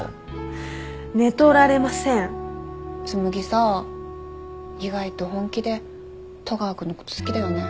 紬さ意外と本気で戸川君のこと好きだよね。